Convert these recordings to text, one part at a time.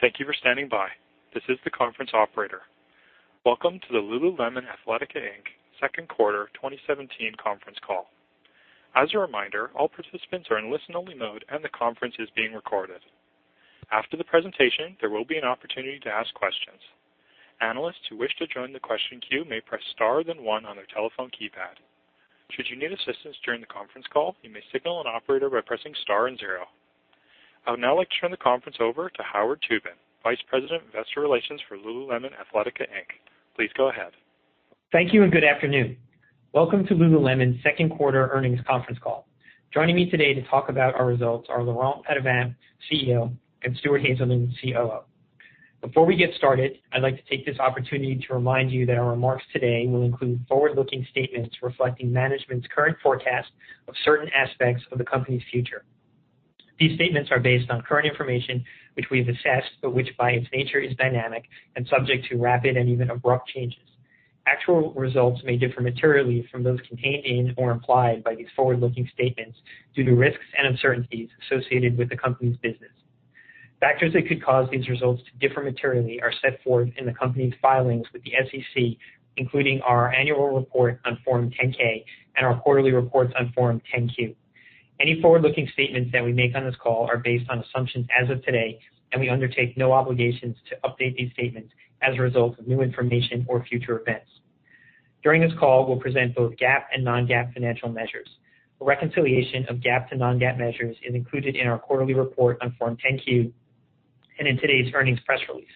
Thank you for standing by. This is the conference operator. Welcome to the Lululemon Athletica Inc. second quarter 2017 conference call. As a reminder, all participants are in listen-only mode and the conference is being recorded. After the presentation, there will be an opportunity to ask questions. Analysts who wish to join the question queue may press star then one on their telephone keypad. Should you need assistance during the conference call, you may signal an operator by pressing star and zero. I would now like to turn the conference over to Howard Tubin, Vice President of Investor Relations for Lululemon Athletica Inc. Please go ahead. Thank you. Good afternoon. Welcome to Lululemon's second quarter earnings conference call. Joining me today to talk about our results are Laurent Potdevin, CEO, and Stuart Haselden, COO. Before we get started, I'd like to take this opportunity to remind you that our remarks today will include forward-looking statements reflecting management's current forecast of certain aspects of the company's future. These statements are based on current information, which we've assessed, but which by its nature is dynamic and subject to rapid and even abrupt changes. Actual results may differ materially from those contained in or implied by these forward-looking statements due to risks and uncertainties associated with the company's business. Factors that could cause these results to differ materially are set forth in the company's filings with the SEC, including our annual report on Form 10-K and our quarterly reports on Form 10-Q. Any forward-looking statements that we make on this call are based on assumptions as of today. We undertake no obligations to update these statements as a result of new information or future events. During this call, we'll present both GAAP and non-GAAP financial measures. A reconciliation of GAAP to non-GAAP measures is included in our quarterly report on Form 10-Q and in today's earnings press release.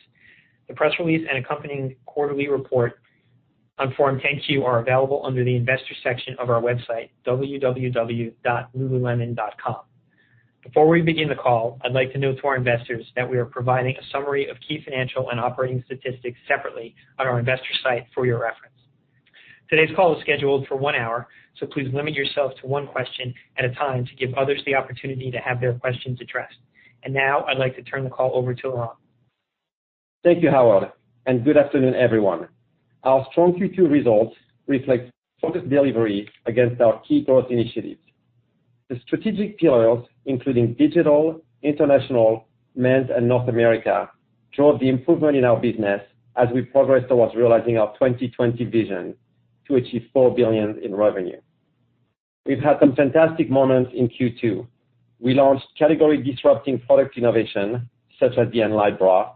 The press release and accompanying quarterly report on Form 10-Q are available under the investor section of our website, www.lululemon.com. Before we begin the call, I'd like to note to our investors that we are providing a summary of key financial and operating statistics separately on our investor site for your reference. Today's call is scheduled for one hour. Please limit yourself to one question at a time to give others the opportunity to have their questions addressed. Now I'd like to turn the call over to Laurent. Thank you, Howard, and good afternoon, everyone. Our strong Q2 results reflect focused delivery against our key growth initiatives. The strategic pillars, including digital, international, men's, and North America, drove the improvement in our business as we progress towards realizing our 2020 vision to achieve $4 billion in revenue. We've had some fantastic moments in Q2. We launched category-disrupting product innovation, such as the Enlite Bra,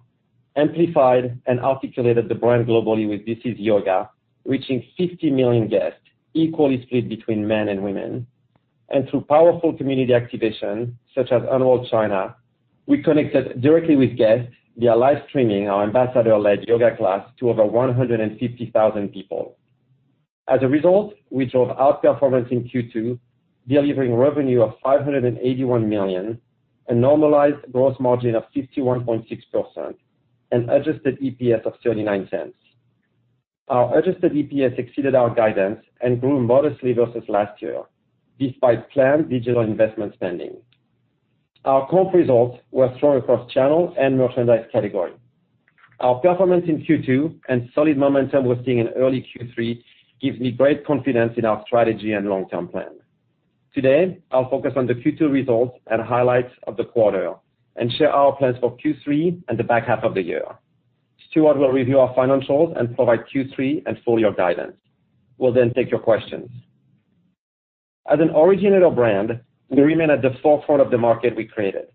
amplified and articulated the brand globally with This Is Yoga, reaching 50 million guests, equally split between men and women. Through powerful community activation, such as Unroll China, we connected directly with guests via live streaming our ambassador-led yoga class to over 150,000 people. As a result, we drove outperformance in Q2, delivering revenue of $581 million, a normalized gross margin of 51.6%, and adjusted EPS of $0.39. Our adjusted EPS exceeded our guidance and grew modestly versus last year, despite planned digital investment spending. Our comp results were strong across channels and merchandise category. Our performance in Q2 and solid momentum we're seeing in early Q3 gives me great confidence in our strategy and long-term plan. Today, I'll focus on the Q2 results and highlights of the quarter and share our plans for Q3 and the back half of the year. Stuart will review our financials and provide Q3 and full-year guidance. We'll take your questions. As an original brand, we remain at the forefront of the market we created,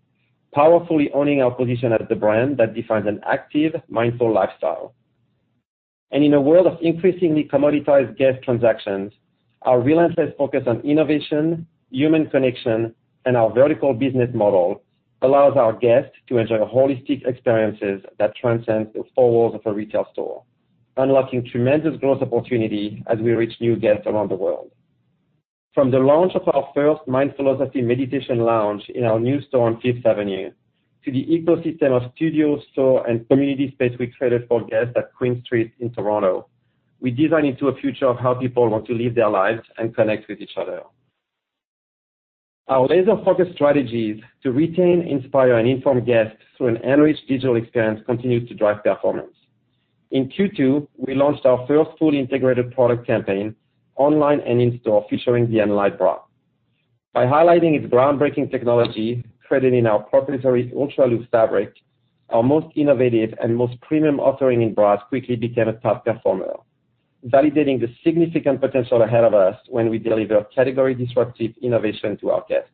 powerfully owning our position as the brand that defines an active, mindful lifestyle. In a world of increasingly commoditized guest transactions, our relentless focus on innovation, human connection, and our vertical business model allows our guests to enjoy holistic experiences that transcend the four walls of a retail store, unlocking tremendous growth opportunity as we reach new guests around the world. From the launch of our first Mind Philosophy meditation lounge in our new store on Fifth Avenue, to the ecosystem of studio, store, and community space we created for guests at Queen Street in Toronto. We design into a future of how people want to live their lives and connect with each other. Our laser-focused strategies to retain, inspire, and inform guests through an enriched digital experience continues to drive performance. In Q2, we launched our first fully integrated product campaign online and in-store featuring the Enlite Bra. By highlighting its groundbreaking technology threaded in our proprietary Ultralu fabric, our most innovative and most premium offering in bras quickly became a top performer, validating the significant potential ahead of us when we deliver category-disruptive innovation to our guests.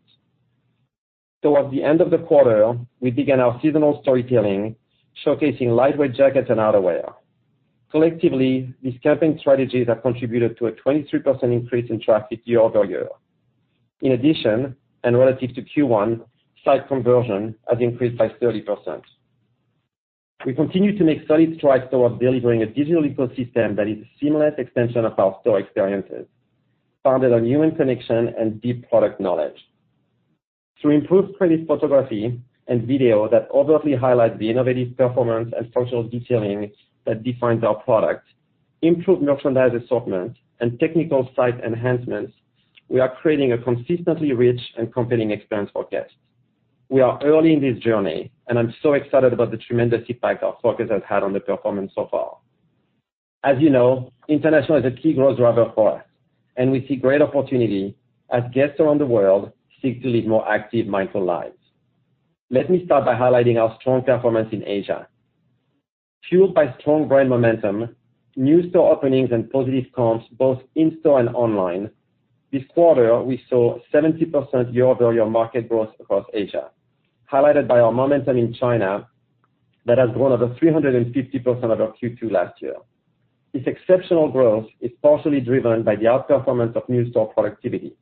Towards the end of the quarter, we began our seasonal storytelling, showcasing lightweight jackets and outerwear. Collectively, these campaign strategies have contributed to a 23% increase in traffic year-over-year. In addition, relative to Q1, site conversion has increased by 30%. We continue to make steady strides towards delivering a digital ecosystem that is a seamless extension of our store experiences, founded on human connection and deep product knowledge. Through improved product photography and video that overtly highlights the innovative performance and functional detailing that defines our product, improved merchandise assortment, and technical site enhancements, we are creating a consistently rich and compelling experience for guests. We are early in this journey. I'm so excited about the tremendous impact our focus has had on the performance so far. As you know, international is a key growth driver for us. We see great opportunity as guests around the world seek to live more active, mindful lives. Let me start by highlighting our strong performance in Asia. Fueled by strong brand momentum, new store openings, positive comps, both in-store and online, this quarter, we saw 70% year-over-year market growth across Asia, highlighted by our momentum in China that has grown over 350% over Q2 last year. This exceptional growth is partially driven by the outperformance of new store productivity.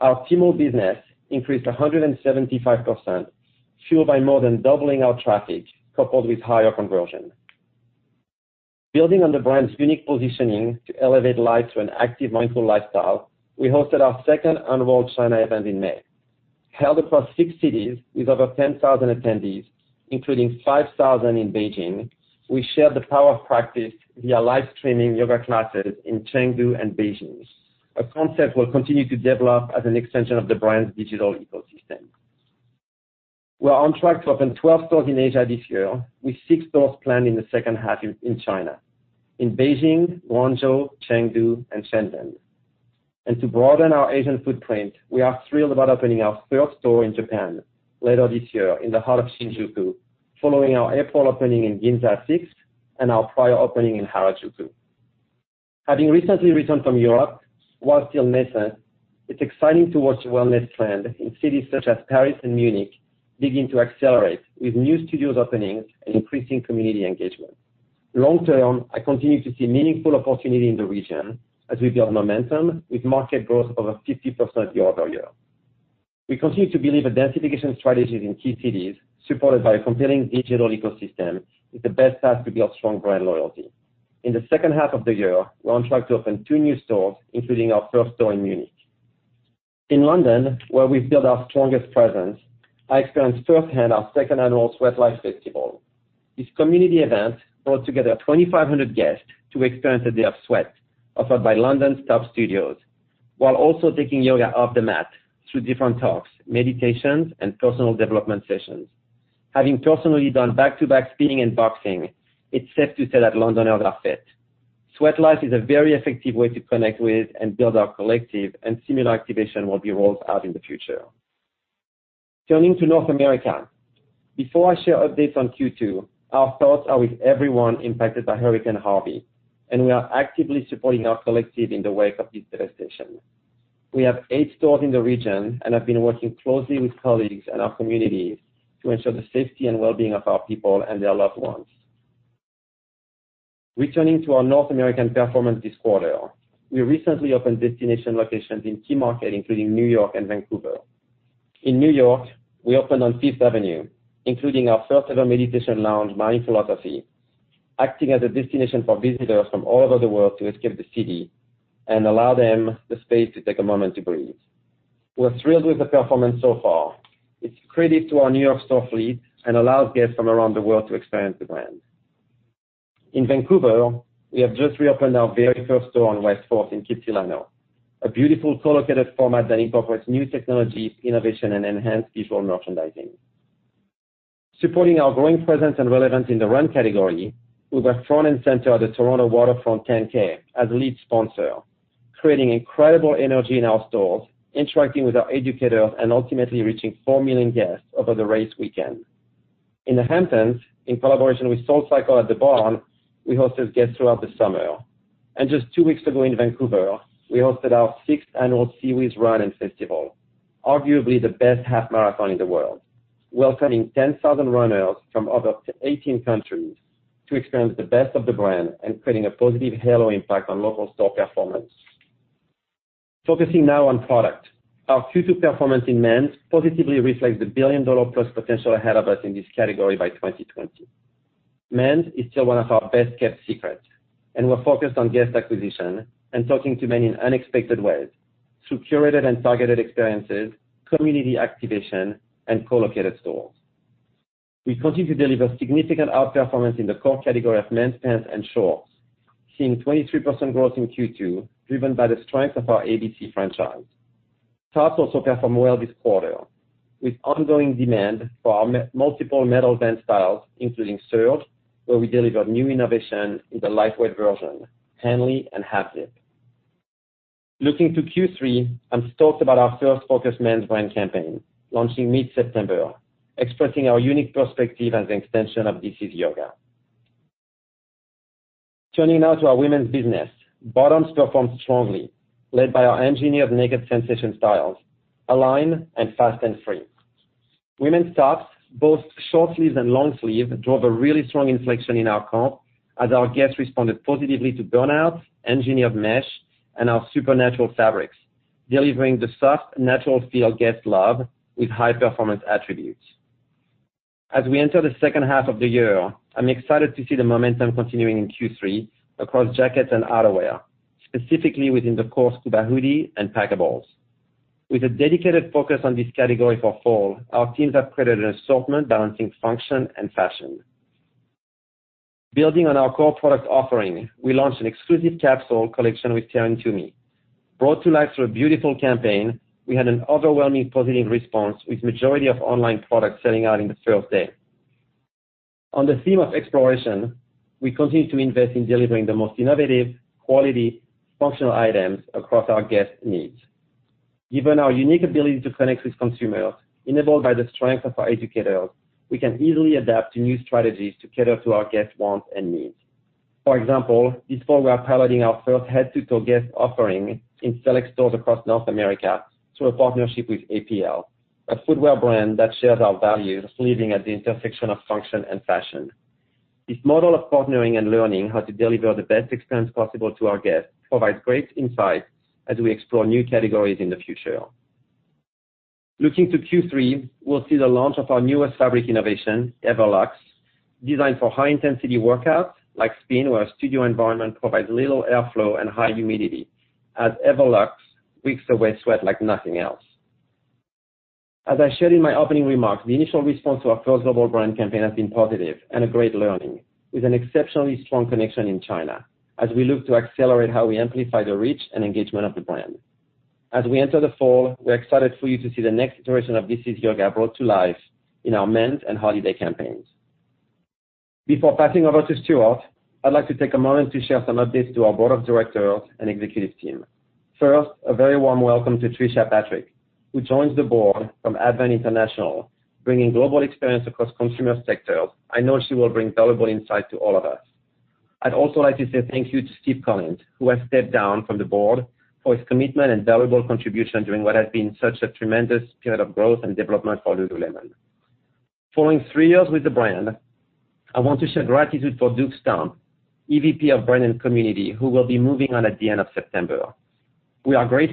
Our CMO business increased 175%, fueled by more than doubling our traffic, coupled with higher conversion. Building on the brand's unique positioning to elevate life to an active mindful lifestyle, we hosted our second annual China event in May. Held across six cities with over 10,000 attendees, including 5,000 in Beijing, we shared the power of practice via live-streaming yoga classes in Chengdu and Beijing. A concept we'll continue to develop as an extension of the brand's digital ecosystem. We are on track to open 12 stores in Asia this year, with six stores planned in the second half in China, in Beijing, Guangzhou, Chengdu, and Shenzhen. To broaden our Asian footprint, we are thrilled about opening our third store in Japan later this year in the heart of Shinjuku, following our airport opening in Ginza Six and our prior opening in Harajuku. Having recently returned from Europe, while still nascent, it's exciting to watch the wellness trend in cities such as Paris and Munich begin to accelerate, with new studios openings and increasing community engagement. Long term, I continue to see meaningful opportunity in the region as we build momentum with market growth over 50% year-over-year. We continue to believe a densification strategy in key cities, supported by a compelling digital ecosystem, is the best path to build strong brand loyalty. In the second half of the year, we're on track to open two new stores, including our first store in Munich. In London, where we've built our strongest presence, I experienced firsthand our second annual Sweatlife Festival. This community event brought together 2,500 guests to experience a day of sweat offered by London's top studios, while also taking yoga off the mat through different talks, meditations, and personal development sessions. Having personally done back-to-back spinning and boxing, it's safe to say that Londoners are fit. Sweatlife is a very effective way to connect with and build our collective. Similar activation will be rolled out in the future. Turning to North America. Before I share updates on Q2, our thoughts are with everyone impacted by Hurricane Harvey. We are actively supporting our collective in the wake of this devastation. We have eight stores in the region and have been working closely with colleagues and our communities to ensure the safety and well-being of our people and their loved ones. Returning to our North American performance this quarter, we recently opened destination locations in key markets, including New York and Vancouver. In New York, we opened on Fifth Avenue, including our first-ever meditation lounge, Mind Philosophy, acting as a destination for visitors from all over the world to escape the city and allow them the space to take a moment to breathe. We're thrilled with the performance so far. It's a credit to our New York store fleet and allows guests from around the world to experience the brand. In Vancouver, we have just reopened our very first store on West Fourth in Kitsilano, a beautiful co-located format that incorporates new technologies, innovation, and enhanced visual merchandising. Supporting our growing presence and relevance in the run category, we were front and center at the Toronto Waterfront 10K as lead sponsor, creating incredible energy in our stores, interacting with our educators, and ultimately reaching 4 million guests over the race weekend. In the Hamptons, in collaboration with SoulCycle at The Barn, we hosted guests throughout the summer. Just 2 weeks ago in Vancouver, we hosted our 6th annual SeaWheeze Run and Festival, arguably the best half-marathon in the world, welcoming 10,000 runners from over 18 countries to experience the best of the brand and creating a positive halo impact on local store performance. Focusing now on product. Our Q2 performance in men's positively reflects the billion-dollar plus potential ahead of us in this category by 2020. Men's is still one of our best-kept secrets, and we're focused on guest acquisition and talking to men in unexpected ways through curated and targeted experiences, community activation, and co-located stores. We continue to deliver significant outperformance in the core category of men's pants and shorts, seeing 23% growth in Q2, driven by the strength of our ABC franchise. Tops also performed well this quarter, with ongoing demand for our multiple metal vent styles, including Surf, where we deliver new innovation in the lightweight version, Henley, and Half Zip. Looking to Q3, I'm stoked about our first focused men's brand campaign, launching mid-September, expressing our unique perspective as an extension of This Is Yoga. Turning now to our women's business. Bottoms performed strongly, led by our engineered naked sensation styles, Align and Fast and Free. Women's tops, both short sleeve and long sleeve, drove a really strong inflection in our comp as our guests responded positively to burnouts, engineered mesh, and our supernatural fabrics, delivering the soft, natural feel guests love with high-performance attributes. As we enter the second half of the year, I'm excited to see the momentum continuing in Q3 across jackets and outerwear, specifically within the core Scuba Hoodie and packables. With a dedicated focus on this category for fall, our teams have created an assortment balancing function and fashion. Building on our core product offering, we launched an exclusive capsule collection with Taryn Toomey. Brought to life through a beautiful campaign, we had an overwhelmingly positive response with majority of online products selling out in the first day. On the theme of exploration, we continue to invest in delivering the most innovative, quality, functional items across our guests' needs. Given our unique ability to connect with consumers, enabled by the strength of our educators, we can easily adapt to new strategies to cater to our guests' wants and needs. For example, this fall, we are piloting our first head-to-toe guest offering in select stores across North America through a partnership with APL, a footwear brand that shares our values, living at the intersection of function and fashion. This model of partnering and learning how to deliver the best experience possible to our guests provides great insights as we explore new categories in the future. Looking to Q3, we'll see the launch of our newest fabric innovation, Everlux, designed for high-intensity workouts like spin, where a studio environment provides little airflow and high humidity, as Everlux wicks away sweat like nothing else. As I shared in my opening remarks, the initial response to our first global brand campaign has been positive and a great learning, with an exceptionally strong connection in China as we look to accelerate how we amplify the reach and engagement of the brand. As we enter the fall, we're excited for you to see the next iteration of This Is Yoga brought to life in our men's and holiday campaigns. Before passing over to Stuart, I'd like to take a moment to share some updates to our board of directors and executive team. First, a very warm welcome to Tricia Patrick, who joins the board from Advent International, bringing global experience across consumer sectors. I know she will bring valuable insight to all of us. I'd also like to say thank you to Steven Collins, who has stepped down from the board, for his commitment and valuable contribution during what has been such a tremendous period of growth and development for Lululemon. Following three years with the brand, I want to share gratitude for Duke Stump, EVP of Brand and Community, who will be moving on at the end of September. A search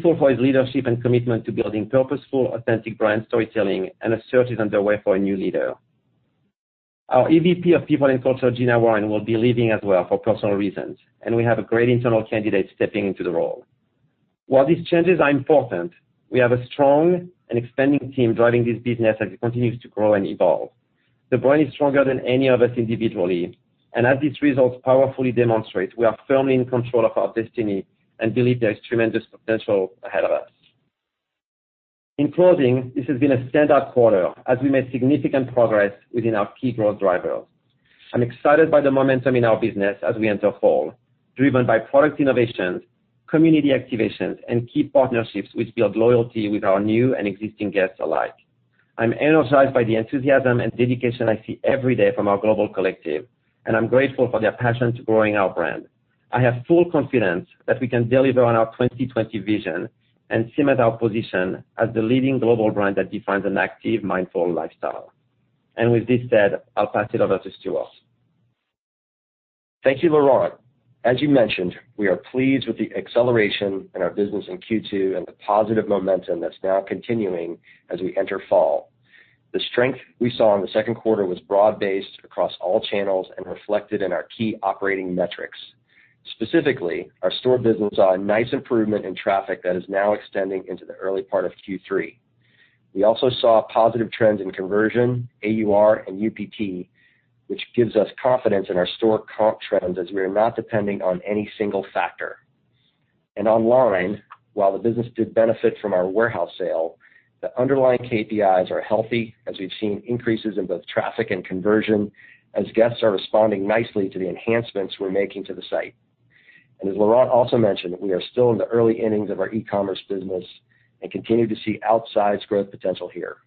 is underway for a new leader. Our EVP of People and Culture, Gina Warren, will be leaving as well for personal reasons, and we have a great internal candidate stepping into the role. While these changes are important, we have a strong and expanding team driving this business as it continues to grow and evolve. The brand is stronger than any of us individually, as these results powerfully demonstrate, we are firmly in control of our destiny and believe there is tremendous potential ahead of us. In closing, this has been a standout quarter as we made significant progress within our key growth drivers. I'm excited by the momentum in our business as we enter fall, driven by product innovations, community activations, and key partnerships which build loyalty with our new and existing guests alike. I'm energized by the enthusiasm and dedication I see every day from our global collective, I'm grateful for their passion to growing our brand. I have full confidence that we can deliver on our 2020 vision and cement our position as the leading global brand that defines an active, mindful lifestyle. With this said, I'll pass it over to Stuart. Thank you, Laurent. As you mentioned, we are pleased with the acceleration in our business in Q2 and the positive momentum that's now continuing as we enter fall. The strength we saw in the second quarter was broad-based across all channels and reflected in our key operating metrics. Specifically, our store business saw a nice improvement in traffic that is now extending into the early part of Q3. We also saw positive trends in conversion, AUR, and UPT, which gives us confidence in our store comp trends as we are not depending on any single factor. Online, while the business did benefit from our warehouse sale, the underlying KPIs are healthy as we've seen increases in both traffic and conversion, as guests are responding nicely to the enhancements we're making to the site. As Laurent also mentioned, we are still in the early innings of our e-commerce business and continue to see outsized growth potential here.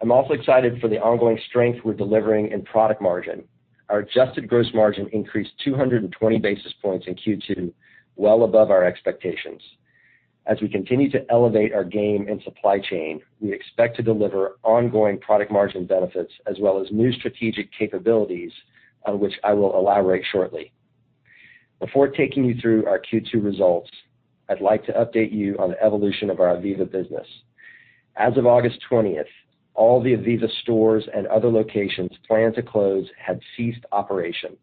I'm also excited for the ongoing strength we're delivering in product margin. Our adjusted gross margin increased 220 basis points in Q2, well above our expectations. As we continue to elevate our game in supply chain, we expect to deliver ongoing product margin benefits as well as new strategic capabilities, on which I will elaborate shortly. Before taking you through our Q2 results, I'd like to update you on the evolution of our ivivva business. As of August 20th, all the ivivva stores and other locations planned to close had ceased operation.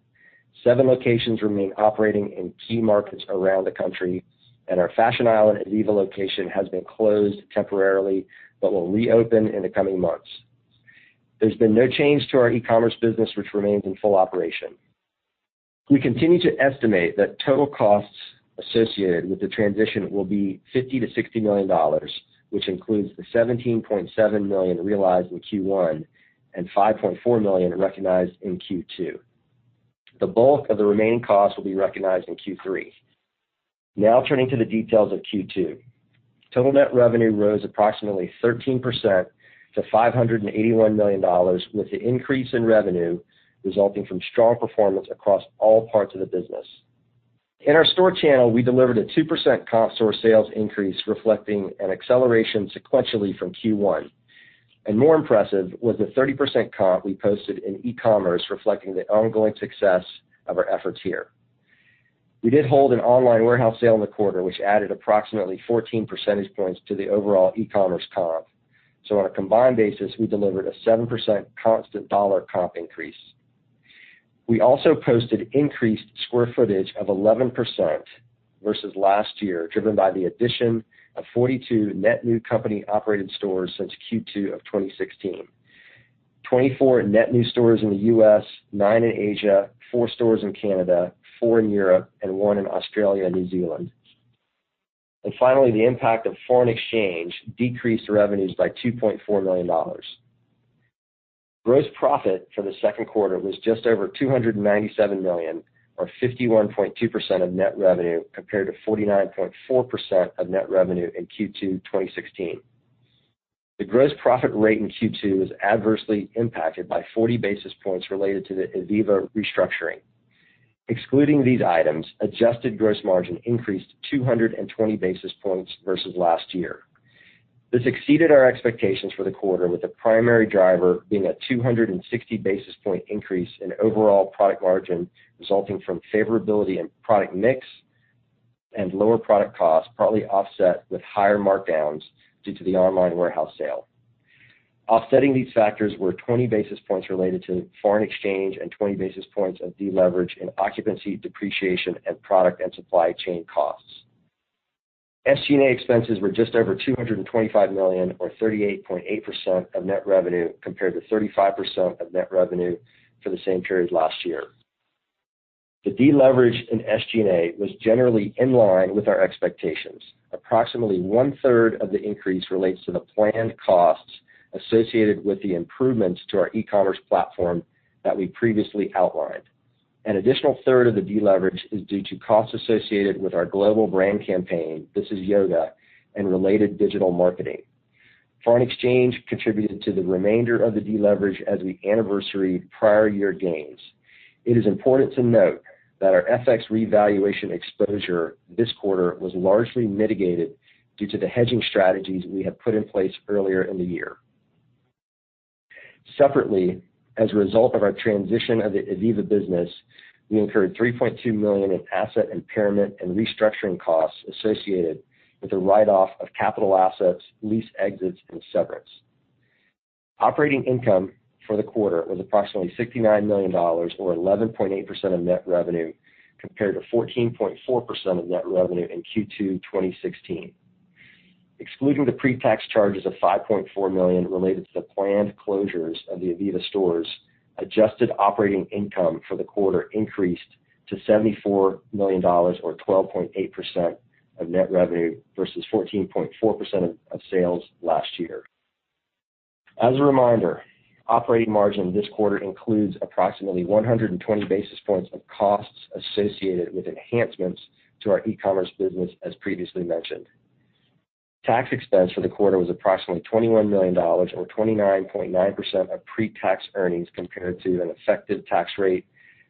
Seven locations remain operating in key markets around the country, and our Fashion Island ivivva location has been closed temporarily but will reopen in the coming months. There's been no change to our e-commerce business, which remains in full operation. We continue to estimate that total costs associated with the transition will be $50 million-$60 million, which includes the $17.7 million realized in Q1 and $5.4 million recognized in Q2. The bulk of the remaining costs will be recognized in Q3. Now turning to the details of Q2. Total net revenue rose approximately 13% to $581 million, with the increase in revenue resulting from strong performance across all parts of the business. In our store channel, we delivered a 2% comp store sales increase, reflecting an acceleration sequentially from Q1. More impressive was the 30% comp we posted in e-commerce, reflecting the ongoing success of our efforts here. We did hold an online warehouse sale in the quarter, which added approximately 14 percentage points to the overall e-commerce comp. On a combined basis, we delivered a 7% constant dollar comp increase. We also posted increased square footage of 11% versus last year, driven by the addition of 42 net new company-operated stores since Q2 of 2016. 24 net new stores in the U.S., nine in Asia, four stores in Canada, four in Europe, and one in Australia and New Zealand. Finally, the impact of foreign exchange decreased revenues by $2.4 million. Gross profit for the second quarter was just over $297 million, or 51.2% of net revenue, compared to 49.4% of net revenue in Q2 2016. The gross profit rate in Q2 was adversely impacted by 40 basis points related to the ivivva restructuring. Excluding these items, adjusted gross margin increased 220 basis points versus last year. This exceeded our expectations for the quarter, with the primary driver being a 260 basis point increase in overall product margin, resulting from favorability in product mix and lower product costs, partly offset with higher markdowns due to the online warehouse sale. Offsetting these factors were 20 basis points related to foreign exchange and 20 basis points of deleverage in occupancy, depreciation, and product and supply chain costs. SG&A expenses were just over $225 million, or 38.8% of net revenue, compared to 35% of net revenue for the same period last year. The deleverage in SG&A was generally in line with our expectations. Approximately one-third of the increase relates to the planned costs associated with the improvements to our e-commerce platform that we previously outlined. An additional third of the deleverage is due to costs associated with our global brand campaign, This Is Yoga, and related digital marketing. Foreign exchange contributed to the remainder of the deleverage as we anniversary prior year gains. It is important to note that our FX revaluation exposure this quarter was largely mitigated due to the hedging strategies we had put in place earlier in the year. Separately, as a result of our transition of the ivivva business, we incurred $3.2 million in asset impairment and restructuring costs associated with the write-off of capital assets, lease exits, and severance. Operating income for the quarter was approximately $69 million, or 11.8% of net revenue, compared to 14.4% of net revenue in Q2 2016. Excluding the pre-tax charges of $5.4 million related to the planned closures of the ivivva stores, adjusted operating income for the quarter increased to $74 million, or 12.8% of net revenue versus 14.4% of sales last year. As a reminder, operating margin this quarter includes approximately 120 basis points of costs associated with enhancements to our e-commerce business, as previously mentioned. Tax expense for the quarter was approximately $21 million, or 29.9% of pre-tax earnings compared to an effective tax rate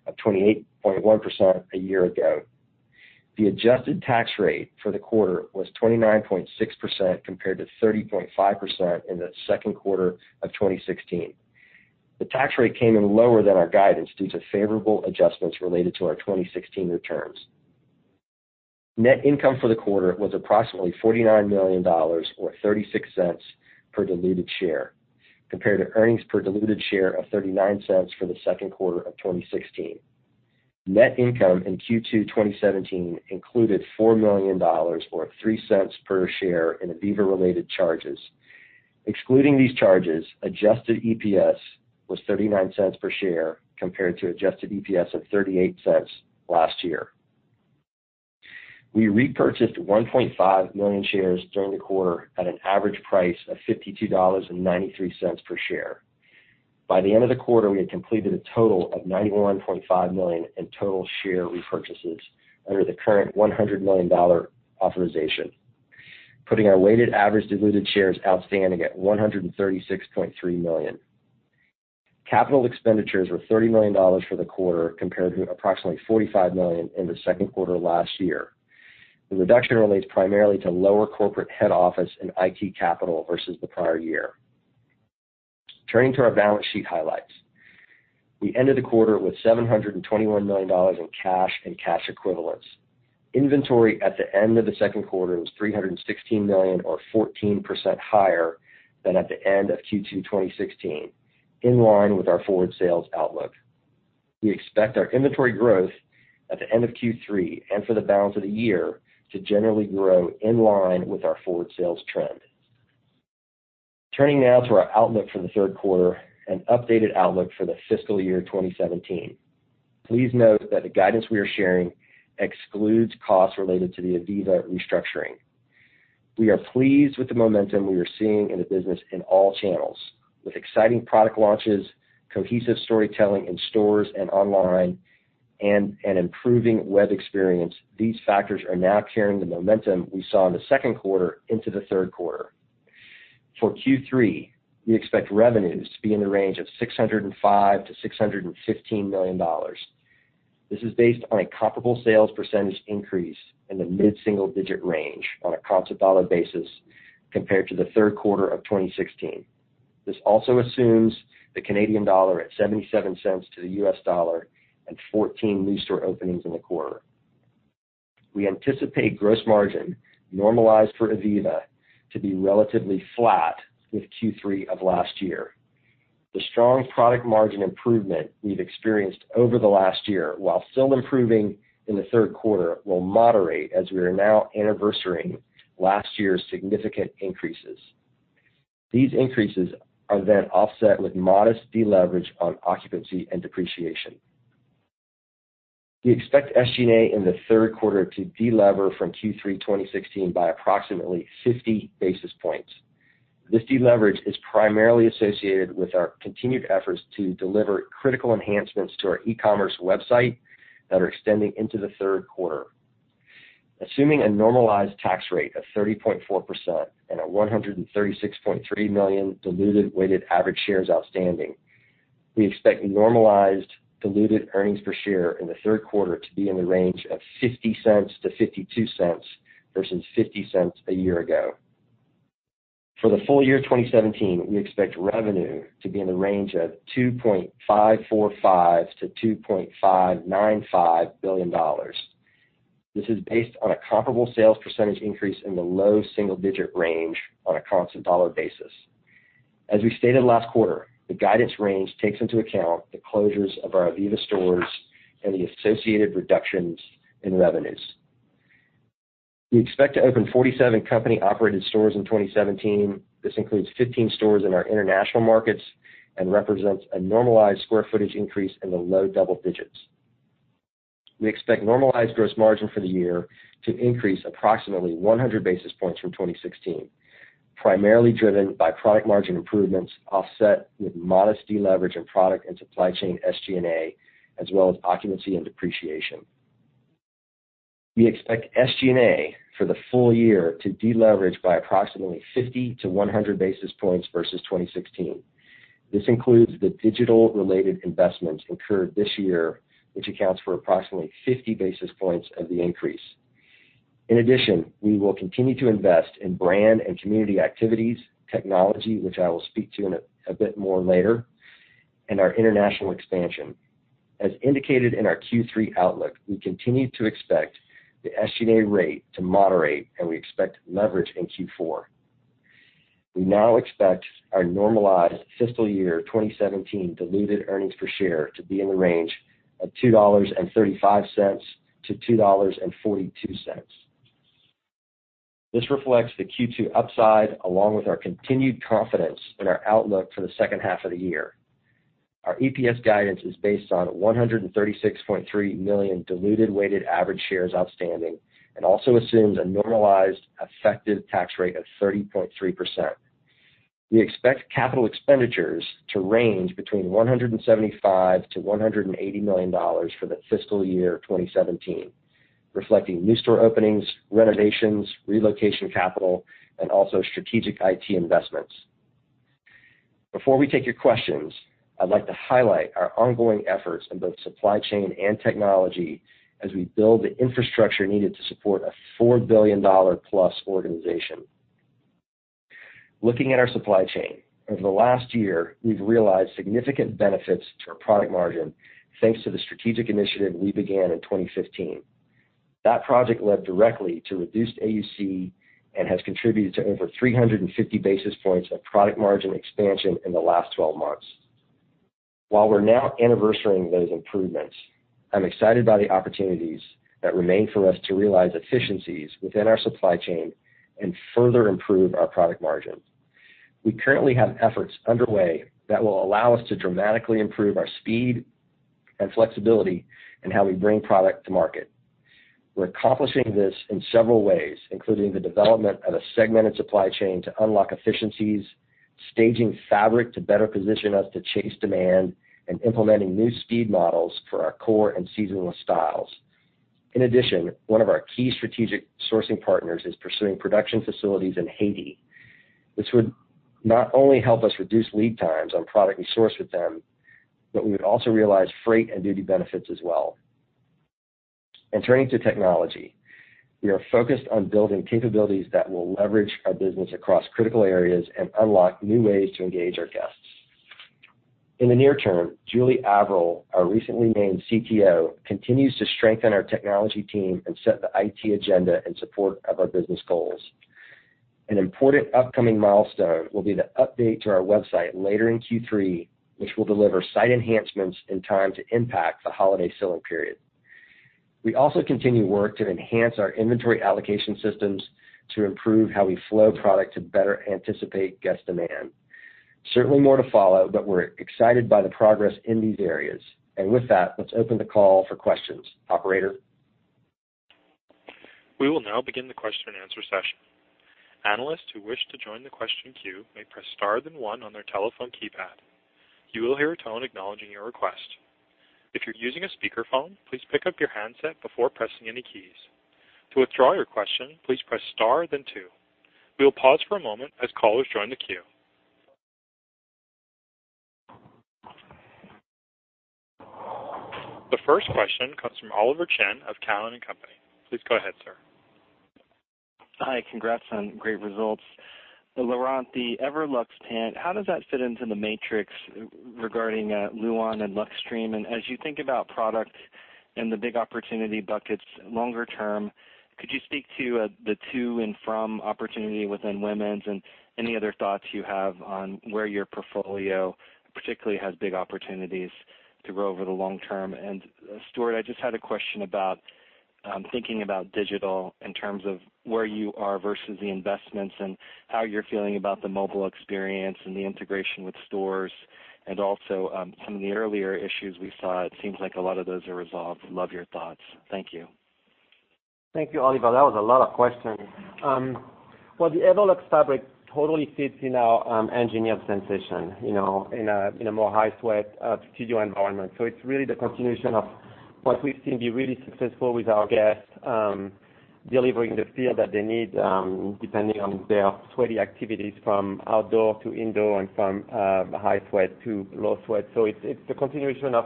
of 28.1% a year ago. The adjusted tax rate for the quarter was 29.6%, compared to 30.5% in the second quarter of 2016. The tax rate came in lower than our guidance due to favorable adjustments related to our 2016 returns. Net income for the quarter was approximately $49 million, or $0.36 per diluted share, compared to earnings per diluted share of $0.39 for the second quarter of 2016. Net income in Q2 2017 included $4 million, or $0.03 per share in ivivva-related charges. Excluding these charges, adjusted EPS was $0.39 per share, compared to adjusted EPS of $0.38 last year. We repurchased 1.5 million shares during the quarter at an average price of $52.93 per share. By the end of the quarter, we had completed a total of $91.5 million in total share repurchases under the current $100 million authorization, putting our weighted average diluted shares outstanding at 136.3 million. Capital expenditures were $30 million for the quarter, compared to approximately $45 million in the second quarter last year. The reduction relates primarily to lower corporate head office and IT capital versus the prior year. Turning to our balance sheet highlights. We ended the quarter with $721 million in cash and cash equivalents. Inventory at the end of the second quarter was $316 million, or 14% higher than at the end of Q2 2016, in line with our forward sales outlook. We expect our inventory growth at the end of Q3, and for the balance of the year, to generally grow in line with our forward sales trend. Turning now to our outlook for the third quarter, an updated outlook for the fiscal year 2017. Please note that the guidance we are sharing excludes costs related to the ivivva restructuring. We are pleased with the momentum we are seeing in the business in all channels. With exciting product launches, cohesive storytelling in stores and online, and an improving web experience, these factors are now carrying the momentum we saw in the second quarter into the third quarter. For Q3, we expect revenues to be in the range of $605 million-$615 million. This is based on a comparable sales percentage increase in the mid-single digit range on a constant dollar basis compared to the third quarter of 2016. This also assumes the Canadian dollar at 0.77 to the US dollar and 14 new store openings in the quarter. We anticipate gross margin, normalized for ivivva, to be relatively flat with Q3 of last year. The strong product margin improvement we've experienced over the last year, while still improving in the third quarter, will moderate as we are now anniversarying last year's significant increases. These increases are then offset with modest deleverage on occupancy and depreciation. We expect SG&A in the third quarter to delever from Q3 2016 by approximately 50 basis points. This deleverage is primarily associated with our continued efforts to deliver critical enhancements to our e-commerce website that are extending into the third quarter. Assuming a normalized tax rate of 30.4% and a 136.3 million diluted weighted average shares outstanding, we expect normalized diluted earnings per share in the third quarter to be in the range of $0.50-$0.52 versus $0.50 a year ago. For the full year 2017, we expect revenue to be in the range of $2.545 billion-$2.595 billion. This is based on a comparable sales percentage increase in the low single-digit range on a constant dollar basis. As we stated last quarter, the guidance range takes into account the closures of our ivivva stores and the associated reductions in revenues. We expect to open 47 company-operated stores in 2017. This includes 15 stores in our international markets and represents a normalized square footage increase in the low double digits. We expect normalized gross margin for the year to increase approximately 100 basis points from 2016, primarily driven by product margin improvements offset with modest deleverage in product and supply chain SG&A, as well as occupancy and depreciation. We expect SG&A for the full year to deleverage by approximately 50-100 basis points versus 2016. This includes the digital-related investments incurred this year, which accounts for approximately 50 basis points of the increase. In addition, we will continue to invest in brand and community activities, technology, which I will speak to in a bit more later, and our international expansion. As indicated in our Q3 outlook, we continue to expect the SG&A rate to moderate, and we expect leverage in Q4. We now expect our normalized fiscal year 2017 diluted earnings per share to be in the range of $2.35-$2.42. This reflects the Q2 upside along with our continued confidence in our outlook for the second half of the year. Our EPS guidance is based on 136.3 million diluted weighted average shares outstanding and also assumes a normalized effective tax rate of 30.3%. We expect capital expenditures to range between $175 million-$180 million for the fiscal year 2017, reflecting new store openings, renovations, relocation capital, and also strategic IT investments. Before we take your questions, I'd like to highlight our ongoing efforts in both supply chain and technology as we build the infrastructure needed to support a $4 billion-plus organization. Looking at our supply chain, over the last year, we've realized significant benefits to our product margin, thanks to the strategic initiative we began in 2015. That project led directly to reduced AUC and has contributed to over 350 basis points of product margin expansion in the last 12 months. While we're now anniversarying those improvements, I'm excited by the opportunities that remain for us to realize efficiencies within our supply chain and further improve our product margin. We currently have efforts underway that will allow us to dramatically improve our speed and flexibility in how we bring product to market. We're accomplishing this in several ways, including the development of a segmented supply chain to unlock efficiencies, staging fabric to better position us to chase demand, and implementing new speed models for our core and seasonal styles. In addition, one of our key strategic sourcing partners is pursuing production facilities in Haiti, which would not only help us reduce lead times on product we source with them, but we would also realize freight and duty benefits as well. Turning to technology, we are focused on building capabilities that will leverage our business across critical areas and unlock new ways to engage our guests. In the near term, Julie Averill, our recently named CTO, continues to strengthen our technology team and set the IT agenda in support of our business goals. An important upcoming milestone will be the update to our website later in Q3, which will deliver site enhancements in time to impact the holiday selling period. We also continue work to enhance our inventory allocation systems to improve how we flow product to better anticipate guest demand. Certainly more to follow, but we're excited by the progress in these areas. With that, let's open the call for questions. Operator? We will now begin the question and answer session. Analysts who wish to join the question queue may press star then one on their telephone keypad. You will hear a tone acknowledging your request. If you're using a speakerphone, please pick up your handset before pressing any keys. To withdraw your question, please press star then two. We will pause for a moment as callers join the queue. The first question comes from Oliver Chen of Cowen and Company. Please go ahead, sir. Hi. Congrats on great results. Laurent, the Everlux pant, how does that fit into the matrix regarding Luon and Luxtreme? As you think about product and the big opportunity buckets longer term, could you speak to the to and from opportunity within women's and any other thoughts you have on where your portfolio particularly has big opportunities to grow over the long term? Stuart, I just had a question about I'm thinking about digital in terms of where you are versus the investments and how you're feeling about the mobile experience and the integration with stores, and also some of the earlier issues we saw. It seems like a lot of those are resolved. Love your thoughts. Thank you. Thank you, Oliver. That was a lot of questions. Well, the Everlux fabric totally fits in our Engineered Sensation, in a more high-sweat studio environment. It's really the continuation of what we've seen be really successful with our guests, delivering the feel that they need, depending on their sweaty activities from outdoor to indoor and from high sweat to low sweat. It's the continuation of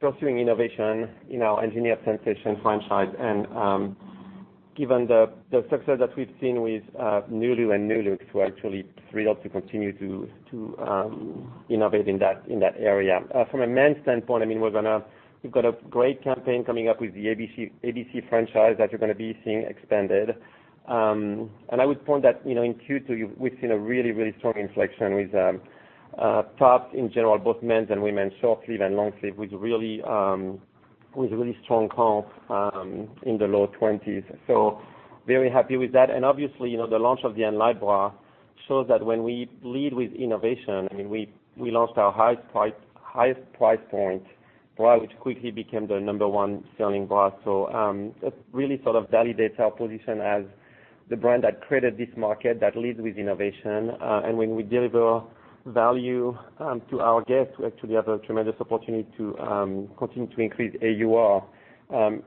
pursuing innovation in our Engineered Sensation franchise. Given the success that we've seen with Nulu and Nulux, we're actually thrilled to continue to innovate in that area. From a men's standpoint, we've got a great campaign coming up with the ABC franchise that you're going to be seeing expanded. I would point that in Q2, we've seen a really strong inflection with tops in general, both men's and women's short sleeve and long sleeve, with really strong comp in the low 20s. Very happy with that. Obviously, the launch of the Enlite Bra shows that when we lead with innovation, we launched our highest price point bra, which quickly became the number one selling bra. That really validates our position as the brand that created this market, that leads with innovation. When we deliver value to our guests, we actually have a tremendous opportunity to continue to increase AUR.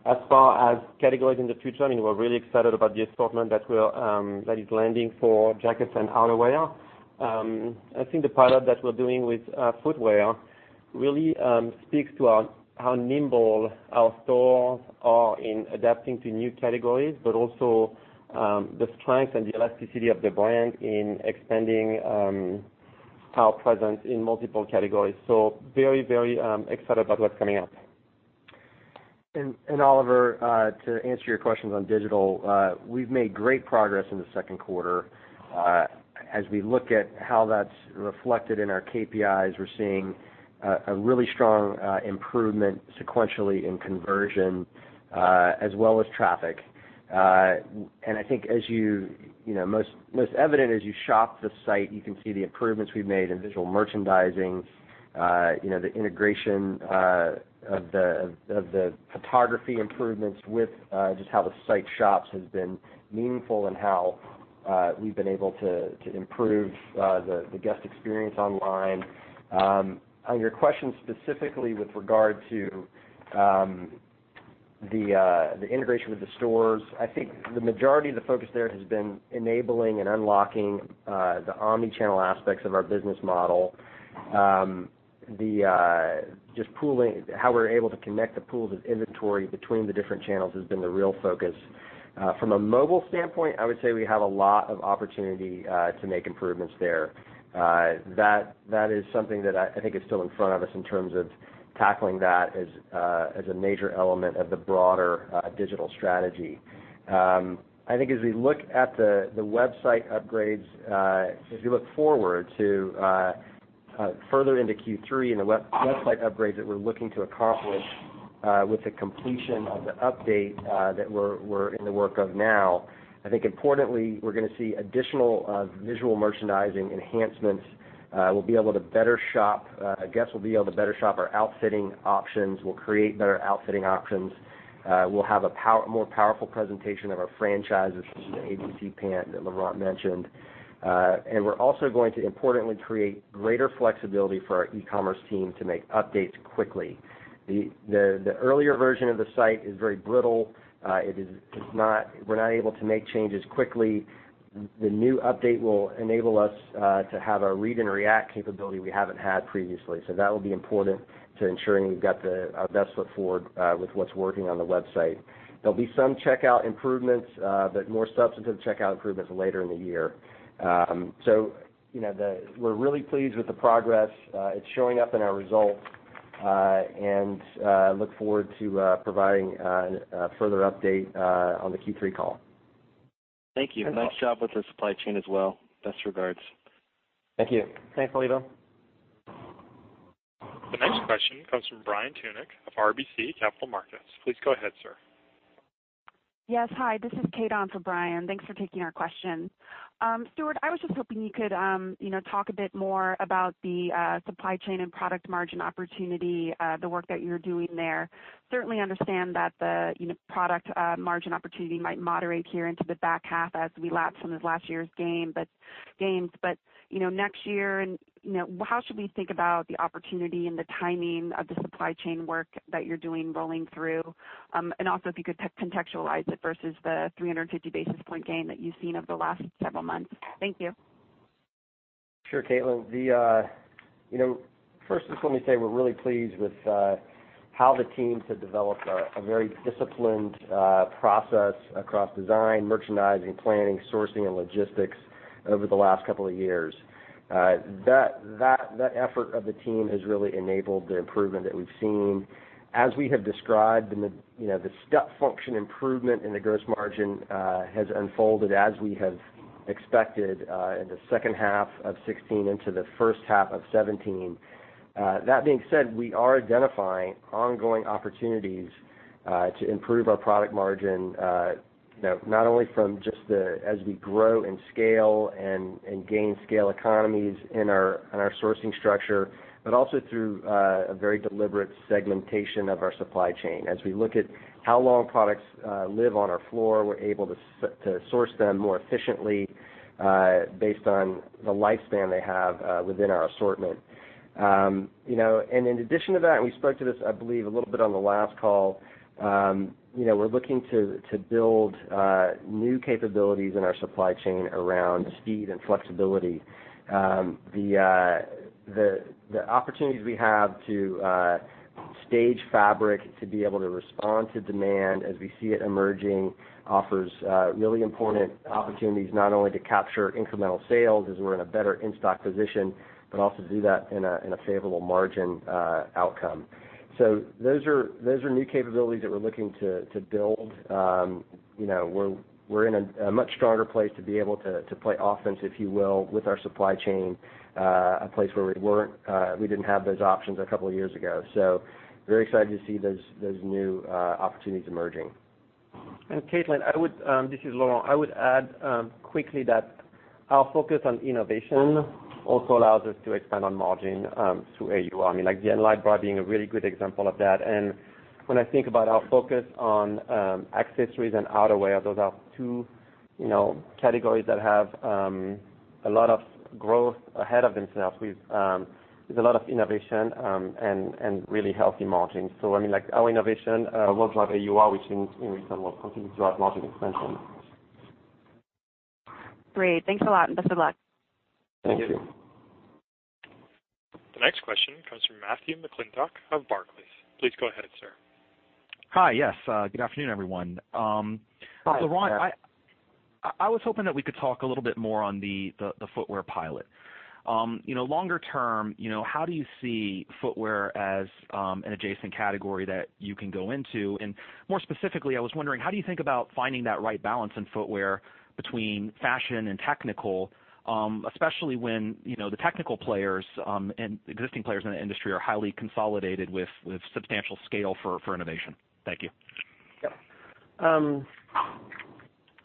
As far as categories in the future, we're really excited about the assortment that is landing for jackets and outerwear. I think the pilot that we're doing with footwear really speaks to how nimble our stores are in adapting to new categories, but also the strength and the elasticity of the brand in expanding our presence in multiple categories. Very excited about what's coming up. Oliver, to answer your questions on digital, we've made great progress in the second quarter. As we look at how that's reflected in our KPIs, we're seeing a really strong improvement sequentially in conversion, as well as traffic. I think most evident as you shop the site, you can see the improvements we've made in visual merchandising. The integration of the photography improvements with just how the site shops has been meaningful in how we've been able to improve the guest experience online. On your question specifically with regard to the integration with the stores, I think the majority of the focus there has been enabling and unlocking the omni-channel aspects of our business model. Just how we're able to connect the pools of inventory between the different channels has been the real focus. From a mobile standpoint, I would say we have a lot of opportunity to make improvements there. That is something that I think is still in front of us in terms of tackling that as a major element of the broader digital strategy. I think as we look at the website upgrades, as we look forward to further into Q3 and the website upgrades that we're looking to accomplish with the completion of the update that we're in the work of now, I think importantly, we're going to see additional visual merchandising enhancements. Guests will be able to better shop our outfitting options. We'll create better outfitting options. We'll have a more powerful presentation of our franchises, such as the ABC pant that Laurent mentioned. We're also going to importantly create greater flexibility for our e-commerce team to make updates quickly. The earlier version of the site is very brittle. We're not able to make changes quickly. The new update will enable us to have a read and react capability we haven't had previously. That will be important to ensuring we've got our best foot forward with what's working on the website. There'll be some checkout improvements, but more substantive checkout improvements later in the year. We're really pleased with the progress. It's showing up in our results. Look forward to providing a further update on the Q3 call. Thank you. Nice job with the supply chain as well. Best regards. Thank you. Thanks, Oliver. The next question comes from Brian Tunick of RBC Capital Markets. Please go ahead, sir. Yes. Hi, this is Kaitlynn for Brian. Thanks for taking our question. Stuart, I was just hoping you could talk a bit more about the supply chain and product margin opportunity, the work that you're doing there. Certainly understand that the product margin opportunity might moderate here into the back half as we lapse some of last year's gains. Next year, how should we think about the opportunity and the timing of the supply chain work that you're doing rolling through? Also if you could contextualize it versus the 350 basis point gain that you've seen over the last several months. Thank you. Sure, Kaitlynn. First, just let me say we're really pleased with how the teams have developed a very disciplined process across design, merchandising, planning, sourcing, and logistics over the last couple of years. That effort of the team has really enabled the improvement that we've seen. As we have described, the step function improvement in the gross margin has unfolded as we have expected in the second half of 2016 into the first half of 2017. That being said, we are identifying ongoing opportunities to improve our product margin, not only from just as we grow and scale and gain scale economies in our sourcing structure, but also through a very deliberate segmentation of our supply chain. As we look at how long products live on our floor, we're able to source them more efficiently based on the lifespan they have within our assortment. In addition to that, we spoke to this, I believe, a little bit on the last call, we're looking to build new capabilities in our supply chain around speed and flexibility. The opportunities we have to stage fabric to be able to respond to demand as we see it emerging offers really important opportunities not only to capture incremental sales as we're in a better in-stock position, but also do that in a favorable margin outcome. Those are new capabilities that we're looking to build. We're in a much stronger place to be able to play offense, if you will, with our supply chain, a place where we didn't have those options a couple of years ago. Very excited to see those new opportunities emerging. Kaitlynn, this is Laurent. I would add quickly that our focus on innovation also allows us to expand on margin through AUR. Like the Enlite Bra being a really good example of that. When I think about our focus on accessories and outerwear, those are two categories that have a lot of growth ahead of themselves with a lot of innovation, and really healthy margins. Our innovation will drive AUR, which in return will continue to drive margin expansion. Great. Thanks a lot. Best of luck. Thank you. Thank you. The next question comes from Matthew McClintock of Barclays. Please go ahead, sir. Hi, yes. Good afternoon, everyone. Hi, Matt. Laurent, I was hoping that we could talk a little bit more on the footwear pilot. Longer term, how do you see footwear as an adjacent category that you can go into? More specifically, I was wondering, how do you think about finding that right balance in footwear between fashion and technical, especially when the technical players and existing players in the industry are highly consolidated with substantial scale for innovation? Thank you. Yep.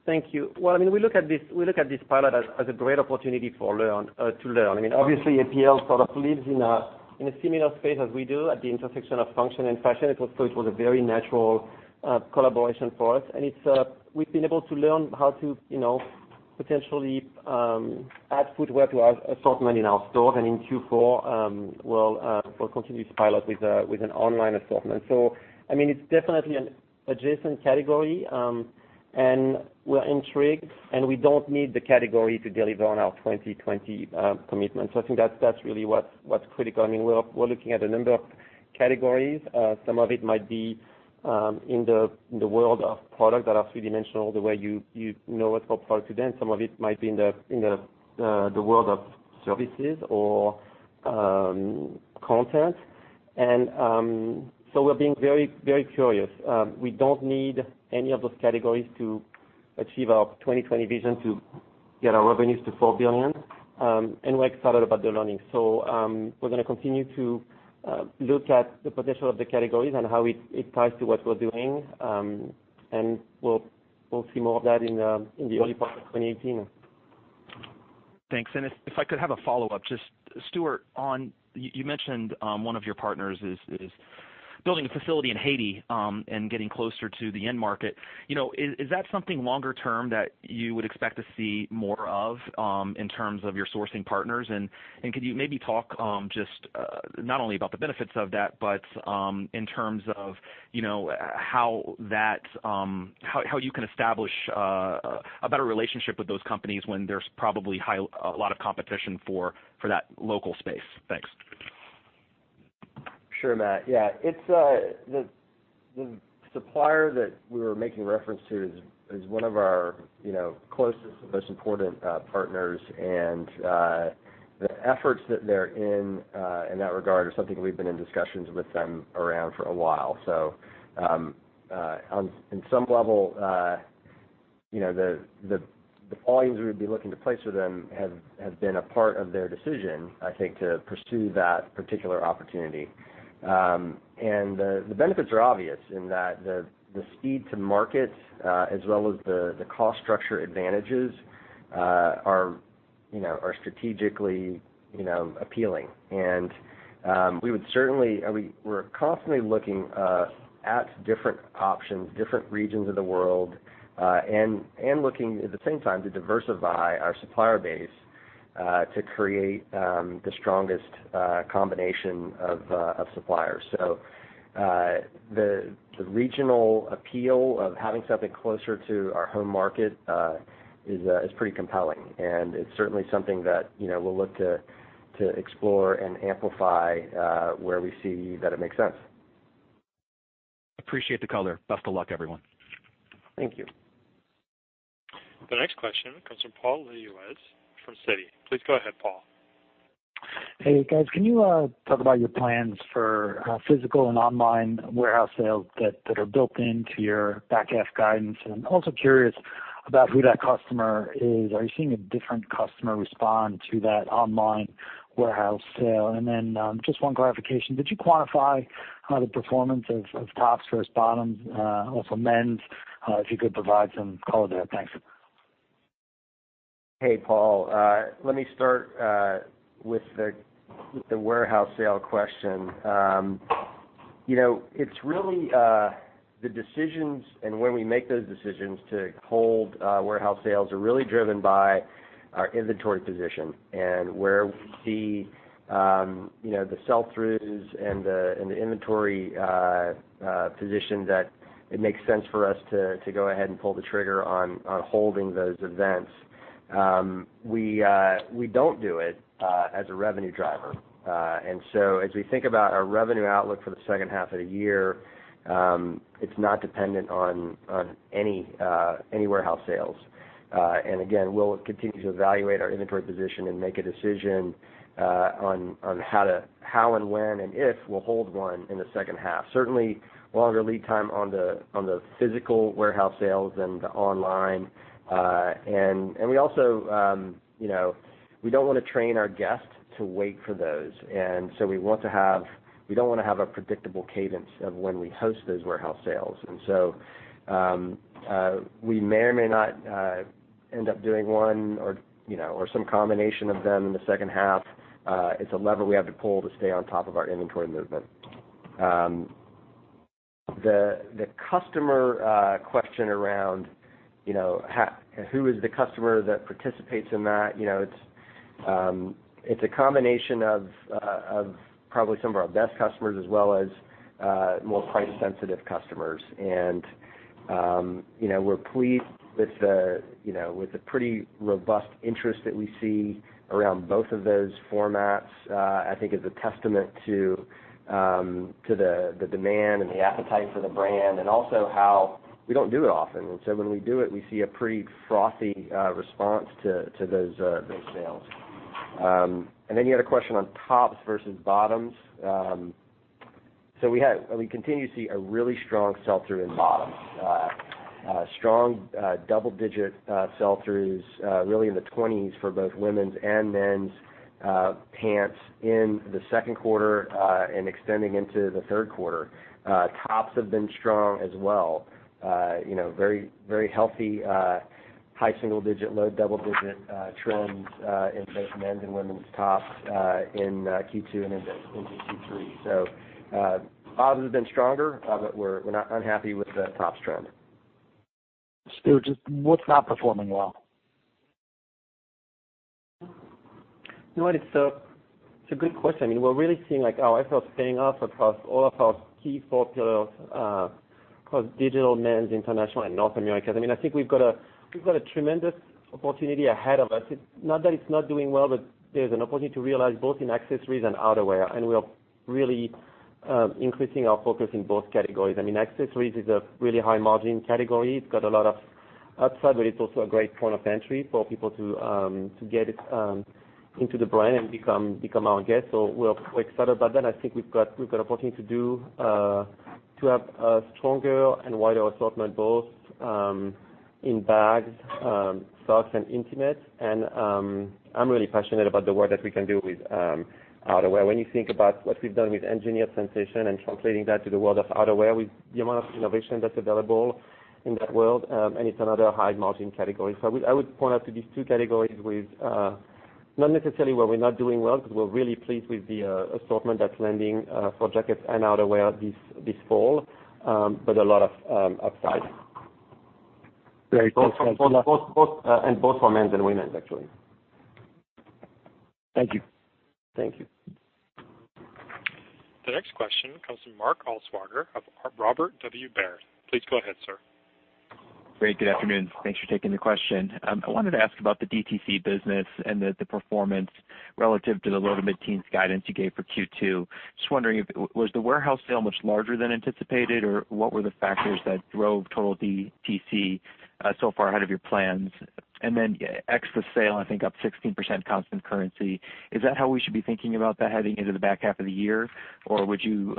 Thank you. Well, we look at this pilot as a great opportunity to learn. Obviously, APL sort of lives in a similar space as we do at the intersection of function and fashion. It was a very natural collaboration for us. We've been able to learn how to potentially add footwear to our assortment in our stores, in Q4, we'll continue to pilot with an online assortment. It's definitely an adjacent category, we're intrigued, we don't need the category to deliver on our 2020 commitment. I think that's really what's critical. We're looking at a number of categories. Some of it might be in the world of product that are three-dimensional, the way you know us for today. Some of it might be in the world of services or content. We're being very curious. We don't need any of those categories to achieve our 2020 vision to get our revenues to $4 billion. We're excited about the learning. We're going to continue to look at the potential of the categories and how it ties to what we're doing. We'll see more of that in the early part of 2018. Thanks. If I could have a follow-up. Just Stuart, you mentioned one of your partners is building a facility in Haiti, getting closer to the end market. Is that something longer term that you would expect to see more of in terms of your sourcing partners? Could you maybe talk just not only about the benefits of that, but in terms of how you can establish a better relationship with those companies when there's probably a lot of competition for that local space? Thanks. Sure, Matt. The supplier that we were making reference to is one of our closest and most important partners. The efforts that they're in that regard are something we've been in discussions with them around for a while. In some level the volumes we would be looking to place with them have been a part of their decision, I think, to pursue that particular opportunity. The benefits are obvious in that the speed to market, as well as the cost structure advantages are strategically appealing. We're constantly looking at different options, different regions of the world, and looking at the same time to diversify our supplier base to create the strongest combination of suppliers. The regional appeal of having something closer to our home market is pretty compelling, and it's certainly something that we'll look to explore and amplify where we see that it makes sense. Appreciate the color. Best of luck, everyone. Thank you. The next question comes from Paul Lejuez from Citi. Please go ahead, Paul. Hey, guys. Can you talk about your plans for physical and online warehouse sales that are built into your back half guidance? I'm also curious about who that customer is. Are you seeing a different customer respond to that online warehouse sale? Just one clarification. Did you quantify the performance of tops versus bottoms also men's, if you could provide some color there. Thanks. Hey, Paul. Let me start with the warehouse sale question. The decisions and when we make those decisions to hold warehouse sales are really driven by our inventory position and where we see the sell-throughs and the inventory position that it makes sense for us to go ahead and pull the trigger on holding those events. We don't do it as a revenue driver. As we think about our revenue outlook for the second half of the year, it's not dependent on any warehouse sales. Again, we'll continue to evaluate our inventory position and make a decision on how and when, and if we'll hold one in the second half. Certainly, longer lead time on the physical warehouse sales than the online. We don't want to train our guests to wait for those. We don't want to have a predictable cadence of when we host those warehouse sales. We may or may not end up doing one or some combination of them in the second half. It's a lever we have to pull to stay on top of our inventory movement. The customer question around who is the customer that participates in that, it's a combination of probably some of our best customers as well as more price sensitive customers. We're pleased with the pretty robust interest that we see around both of those formats. I think as a testament to the demand and the appetite for the brand, and also how we don't do it often. When we do it, we see a pretty frothy response to those sales. Then you had a question on tops versus bottoms. We continue to see a really strong sell-through in bottoms. Strong double-digit sell-throughs really in the 20s for both women's and men's pants in the second quarter, and extending into the third quarter. Tops have been strong as well. Very healthy, high single-digit, low double-digit trends in both men's and women's tops in Q2 and into Q3. Bottoms have been stronger, but we're not unhappy with the tops trend. Stuart, what's not performing well? You know what? It's a good question. We're really seeing our efforts paying off across all of our key four pillars, across digital, men's, international, and North Americas. I think we've got a tremendous opportunity ahead of us. Not that it's not doing well, but there's an opportunity to realize both in accessories and outerwear, and we are really increasing our focus in both categories. Accessories is a really high margin category. It's got a lot of upside, but it's also a great point of entry for people to get into the brand and become our guest. We're quite excited about that. I think we've got opportunity to have a stronger and wider assortment both in bags, socks, and intimates and I'm really passionate about the work that we can do with outerwear. When you think about what we've done with Engineered Sensation and translating that to the world of outerwear, with the amount of innovation that's available in that world, and it's another high margin category. I would point out to these two categories with, not necessarily where we're not doing well because we're really pleased with the assortment that's landing for jackets and outerwear this fall, but a lot of upside. Great. Thanks a lot. Both for men's and women's, actually. Thank you. Thank you. The next question comes from Mark Altschwager of Robert W. Baird. Please go ahead, sir. Great. Good afternoon. Thanks for taking the question. I wanted to ask about the DTC business and the performance relative to the low- to mid-teens guidance you gave for Q2. Just wondering if, was the warehouse sale much larger than anticipated, or what were the factors that drove total DTC so far ahead of your plans? Ex the sale, I think up 16% constant currency. Is that how we should be thinking about that heading into the back half of the year? Or would you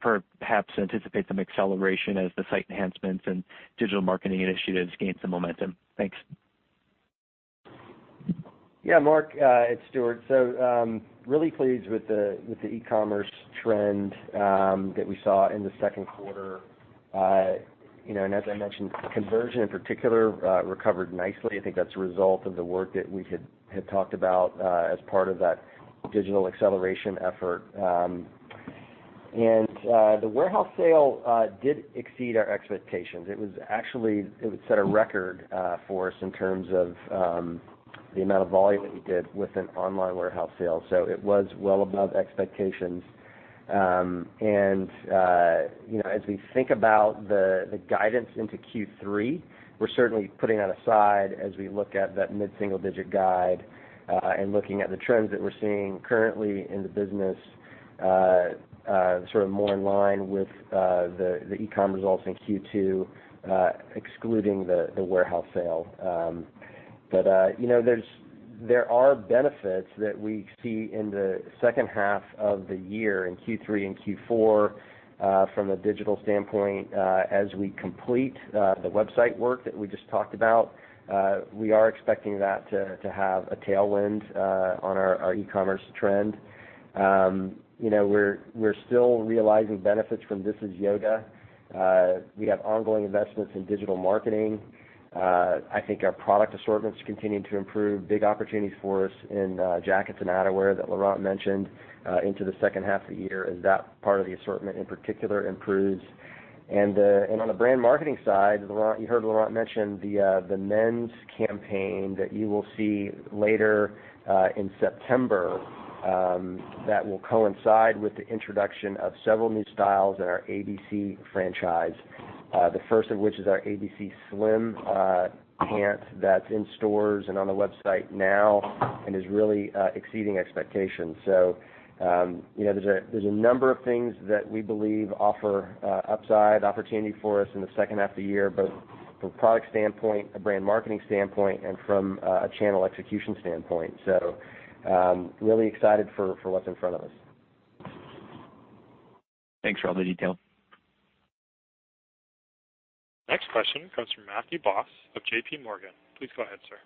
perhaps anticipate some acceleration as the site enhancements and digital marketing initiatives gain some momentum? Thanks. Mark, it's Stuart. Really pleased with the e-commerce trend that we saw in the second quarter. As I mentioned, conversion in particular, recovered nicely. I think that is a result of the work that we had talked about as part of that digital acceleration effort. The warehouse sale did exceed our expectations. It set a record for us in terms of the amount of volume that we did with an online warehouse sale. It was well above expectations. As we think about the guidance into Q3, we are certainly putting that aside as we look at that mid-single digit guide, and looking at the trends that we are seeing currently in the business, more in line with the e-com results in Q2, excluding the warehouse sale. There are benefits that we see in the second half of the year, in Q3 and Q4, from a digital standpoint, as we complete the website work that we just talked about. We are expecting that to have a tailwind on our e-commerce trend. We are still realizing benefits from This Is Yoga. We have ongoing investments in digital marketing. I think our product assortments continue to improve. Big opportunities for us in jackets and outerwear that Laurent mentioned into the second half of the year as that part of the assortment in particular improves. On the brand marketing side, you heard Laurent mention the men's campaign that you will see later in September that will coincide with the introduction of several new styles in our ABC franchise. The first of which is our ABC slim pant that is in stores and on the website now and is really exceeding expectations. There is a number of things that we believe offer upside opportunity for us in the second half of the year, both from a product standpoint, a brand marketing standpoint, and from a channel execution standpoint. Really excited for what is in front of us. Thanks for all the detail. Next question comes from Matthew Boss of JPMorgan. Please go ahead, sir.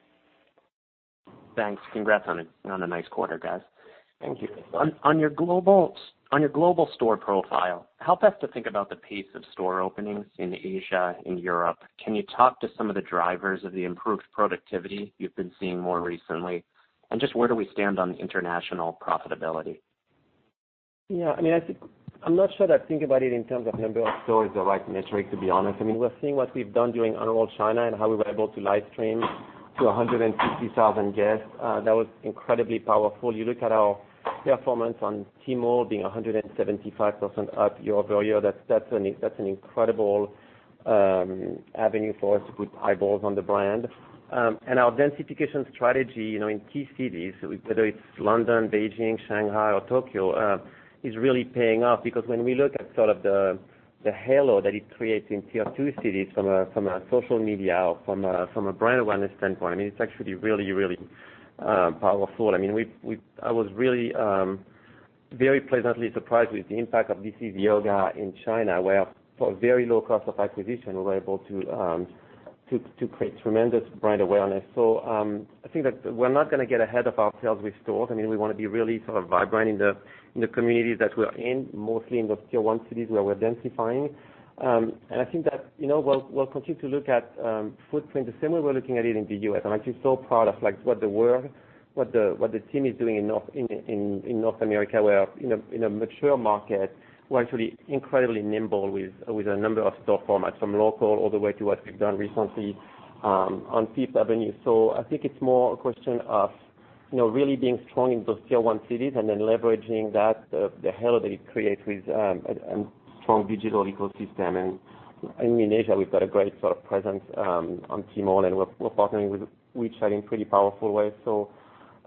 Thanks. Congrats on a nice quarter, guys. Thank you. On your global store profile, help us to think about the pace of store openings in Asia, in Europe. Can you talk to some of the drivers of the improved productivity you've been seeing more recently? Just where do we stand on international profitability? I think, I'm not sure that think about it in terms of number of stores, the right metric, to be honest. We're seeing what we've done during Unroll China and how we were able to live stream to 150,000 guests. That was incredibly powerful. You look at our performance on Tmall being 175% up year-over-year, that's an incredible avenue for us to put eyeballs on the brand. Our densification strategy in key cities, whether it's London, Beijing, Shanghai, or Tokyo, is really paying off because when we look at sort of the halo that it creates in tier 2 cities from a social media or from a brand awareness standpoint, it's actually really powerful. I was really very pleasantly surprised with the impact of This Is Yoga in China, where for a very low cost of acquisition, we were able to create tremendous brand awareness. I think that we're not going to get ahead of ourselves with stores. We want to be really vibrant in the communities that we're in, mostly in the tier 1 cities where we're densifying. I think that we'll continue to look at footprint the same way we're looking at it in the U.S. I'm actually so proud of what the team is doing in North America, where in a mature market, we're actually incredibly nimble with a number of store formats, from local all the way to what we've done recently on Fifth Avenue. I think it's more a question of really being strong in those tier 1 cities and then leveraging that, the halo that it creates with a strong digital ecosystem. In Asia, we've got a great sort of presence on Tmall, and we're partnering with WeChat in pretty powerful ways.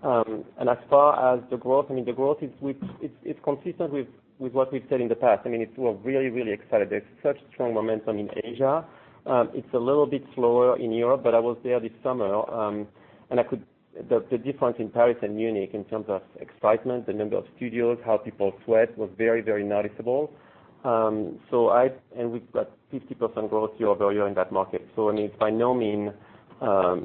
As far as the growth, the growth it's consistent with what we've said in the past. We're really excited. There's such strong momentum in Asia. It's a little bit slower in Europe, but I was there this summer. The difference in Paris and Munich in terms of excitement, the number of studios, how people sweat, was very noticeable. We've got 50% growth year-over-year in that market. By no means left far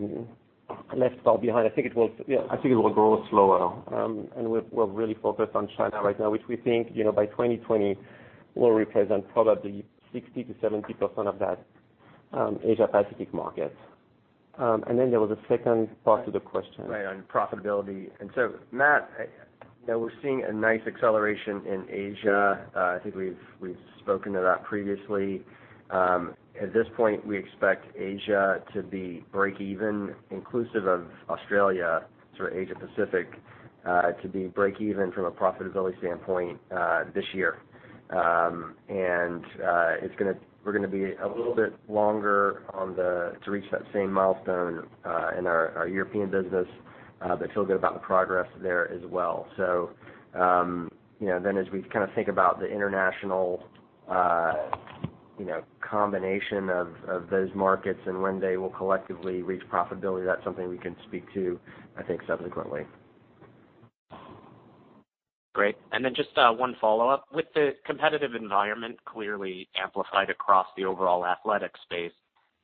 behind. I think it will grow slower. We're really focused on China right now, which we think, by 2020, will represent probably 60%-70% of that Asia Pacific market. There was a second part to the question. Right. On profitability. Matt, we're seeing a nice acceleration in Asia. I think we've spoken to that previously. At this point, we expect Asia to be break even, inclusive of Australia, sort of Asia Pacific, to be break even from a profitability standpoint, this year. We're going to be a little bit longer to reach that same milestone, in our European business, but feel good about the progress there as well. As we think about the international combination of those markets and when they will collectively reach profitability, that's something we can speak to, I think, subsequently. Great. Then just one follow-up. With the competitive environment clearly amplified across the overall athletic space,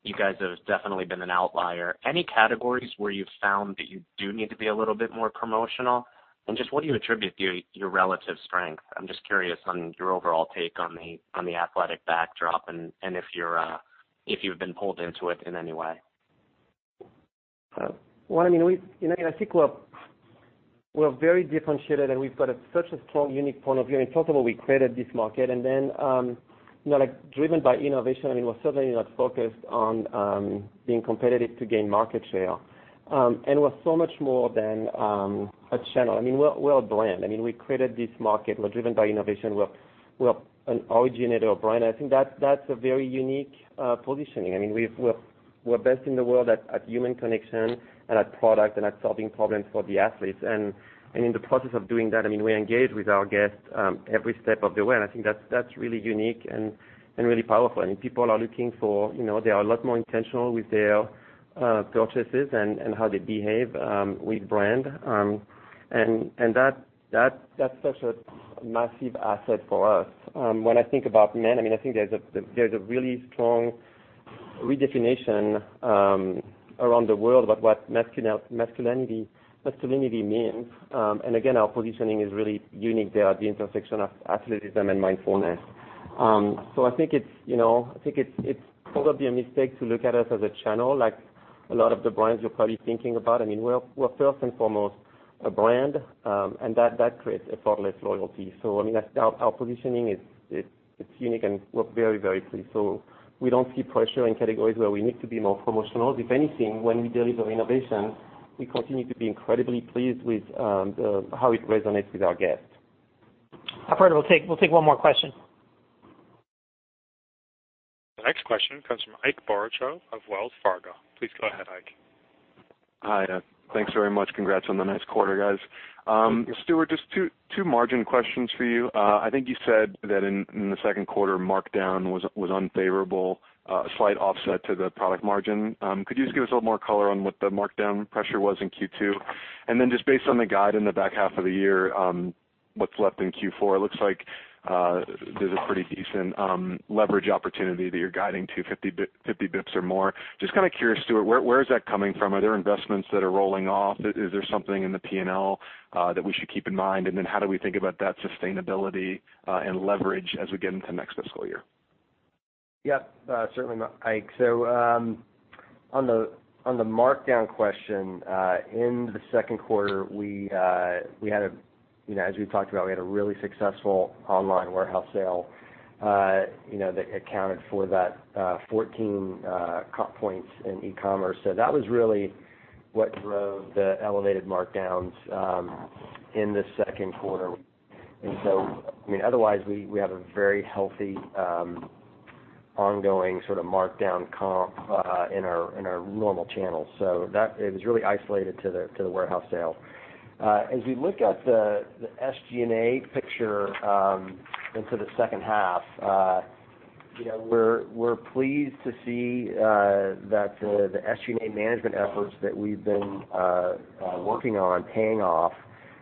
you guys have definitely been an outlier. Any categories where you've found that you do need to be a little bit more promotional? Just what do you attribute to your relative strength? I'm just curious on your overall take on the athletic backdrop and if you've been pulled into it in any way. Well, I think we're very differentiated, and we've got such a strong, unique point of view, and first of all, we created this market, and then driven by innovation, we're certainly not focused on being competitive to gain market share. We're so much more than a channel. We're a brand. We created this market. We're driven by innovation. We're an originator of brand. I think that's a very unique positioning. We're best in the world at human connection and at product and at solving problems for the athletes. In the process of doing that, we engage with our guests every step of the way, and I think that's really unique and really powerful. They are a lot more intentional with their purchases and how they behave with brand. That's such a massive asset for us. When I think about men, I think there's a really strong redefinition around the world about what masculinity means. Again, our positioning is really unique there at the intersection of athleticism and mindfulness. I think it's probably a mistake to look at us as a channel, like a lot of the brands you're probably thinking about. We're first and foremost a brand, and that creates a thoughtless loyalty. Our positioning, it's unique, and we're very, very pleased. We don't see pressure in categories where we need to be more promotional. If anything, when we deliver innovation, we continue to be incredibly pleased with how it resonates with our guests. Alfredo, we'll take one more question. The next question comes from Ike Boruchow of Wells Fargo. Please go ahead, Ike. Hi. Thanks very much. Congrats on the nice quarter, guys. Stuart, just two margin questions for you. I think you said that in the second quarter, markdown was unfavorable, a slight offset to the product margin. Could you just give us a little more color on what the markdown pressure was in Q2? Just based on the guide in the back half of the year, what's left in Q4, it looks like there's a pretty decent leverage opportunity that you're guiding to 50 basis points or more. Just kind of curious, Stuart, where is that coming from? Are there investments that are rolling off? Is there something in the P&L that we should keep in mind? How do we think about that sustainability and leverage as we get into next fiscal year? Yes. Certainly, Ike. On the markdown question, in the second quarter, as we've talked about, we had a really successful online warehouse sale that accounted for that 14 comp points in e-commerce. That was really what drove the elevated markdowns in the second quarter. Otherwise, we have a very healthy ongoing sort of markdown comp in our normal channels. That was really isolated to the warehouse sale. As we look at the SG&A picture into the second half, we're pleased to see that the SG&A management efforts that we've been working on paying off.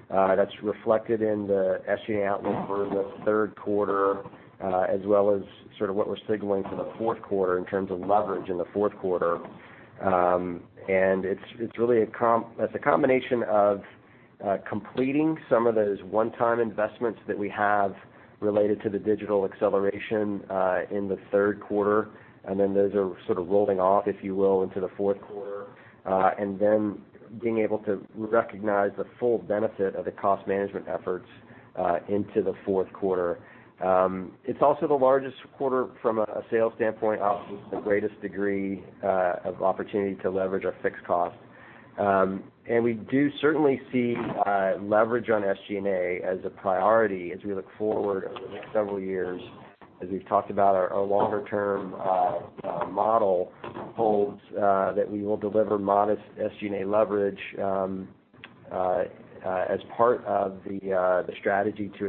That's reflected in the SG&A outlook for the third quarter, as well as sort of what we're signaling for the fourth quarter in terms of leverage in the fourth quarter. It's a combination of completing some of those one-time investments that we have related to the digital acceleration in the third quarter. Those are sort of rolling off, if you will, into the fourth quarter. Being able to recognize the full benefit of the cost management efforts into the fourth quarter. It's also the largest quarter from a sales standpoint, obviously the greatest degree of opportunity to leverage our fixed costs. We do certainly see leverage on SG&A as a priority as we look forward over the next several years. As we've talked about, our longer-term model holds that we will deliver modest SG&A leverage as part of the strategy to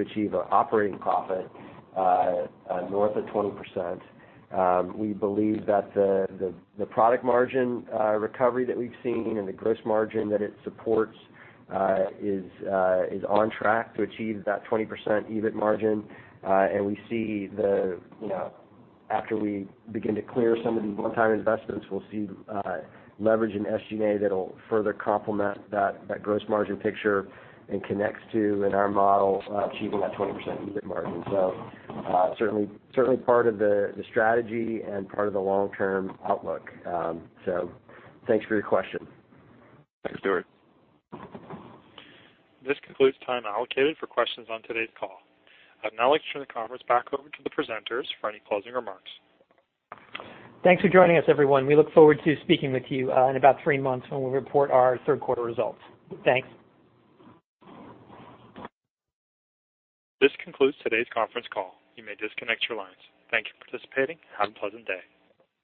achieve an operating profit north of 20%. We believe that the product margin recovery that we've seen and the gross margin that it supports is on track to achieve that 20% EBIT margin. After we begin to clear some of these one-time investments, we'll see leverage in SG&A that'll further complement that gross margin picture and connects to, in our model, achieving that 20% EBIT margin. Certainly part of the strategy and part of the long-term outlook. Thanks for your question. Thanks, Stuart. This concludes time allocated for questions on today's call. I'd now like to turn the conference back over to the presenters for any closing remarks. Thanks for joining us, everyone. We look forward to speaking with you in about three months when we report our third quarter results. Thanks. This concludes today's conference call. You may disconnect your lines. Thank you for participating and have a pleasant day.